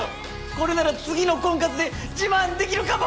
これなら次の婚活で自慢できるかも！